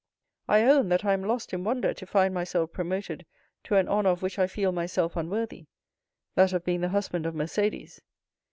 I own that I am lost in wonder to find myself promoted to an honor of which I feel myself unworthy—that of being the husband of Mercédès."